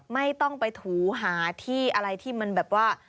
ไม่ต้องไปถูหาที่อะไรที่มันแบบว่า